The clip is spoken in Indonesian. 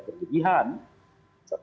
sekarang apalagi pada pemerintah tersebut